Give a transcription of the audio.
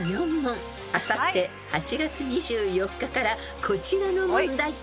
［あさって８月２４日からこちらの問題］